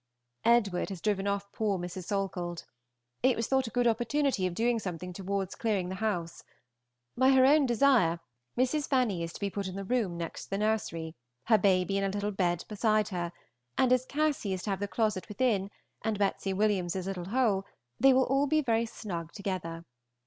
Edward has driven off poor Mrs. Salkeld. It was thought a good opportunity of doing something towards clearing the house. By her own desire Mrs. Fanny is to be put in the room next the nursery, her baby in a little bed by her; and as Cassy is to have the closet within, and Betsey William's little hole, they will be all very snug together.